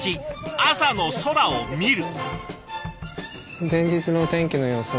朝の空を見る。